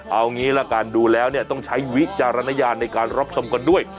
เอางี้ละกันดูแล้วเนี่ยต้องใช้วิจารณญาณในการรับชมกันด้วย